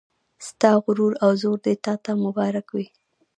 ستا غرور او زور دې تا ته مبارک وي